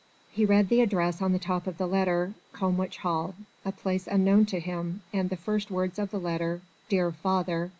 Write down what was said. He read the address on the top of the letter: "Combwich Hall" a place unknown to him, and the first words of the letter: "Dear father!"